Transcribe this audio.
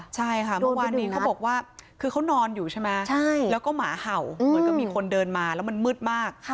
ใช่ค่ะเมื่อวานนี้เขาบอกว่าคือเขานอนอยู่ใช่ไหมแล้วก็หมาเห่าเหมือนก็มีคนเดินมาแล้วมันมืดมาก